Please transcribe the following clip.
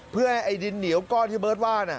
เพื่อไอ้ดินเหนียวก้อนที่เบิร์ตว่า